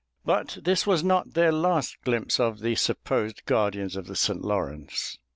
But this was not their last glimpse of the supposed guardians of the St. Lawrence.